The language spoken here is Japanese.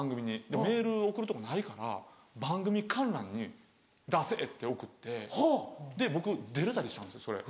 でメールを送るとこないから番組観覧に「出せ」って送って僕出れたりしたんですよそれ。